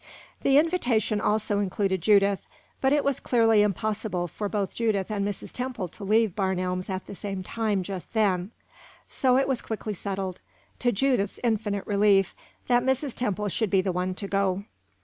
The invitation also included Judith, but it was clearly impossible for both Judith and Mrs. Temple to leave Barn Elms at the same time just then; so it was quickly settled, to Judith's infinite relief, that Mrs. Temple should be the one to go.